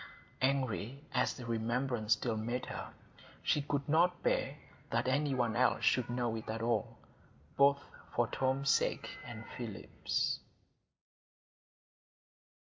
Angry as the remembrance still made her, she could not bear that any one else should know it at all, both for Tom's sake and Philip's.